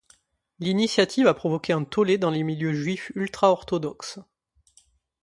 L'initiative a provoqué un tollé dans les milieux juifs ultra-orthodoxes.